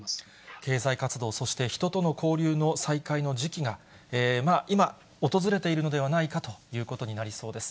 経済活動、そして人との交流の再開の時期が今訪れているのではないかということになりそうです。